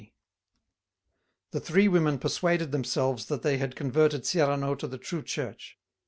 The three women persuaded themselves that they had converted Cyrano to the true Church.